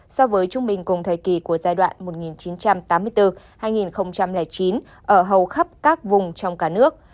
so với trung bình cùng thời kỳ của giai đoạn một nghìn chín trăm tám mươi bốn hai nghìn chín ở hầu khắp các vùng trong cả nước